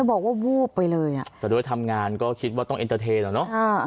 เค้าบอกว่าบูบไปเลยอ่ะแต่ด้วยทำงานก็คิดว่าต้องอันเทรนเหรอเนาะ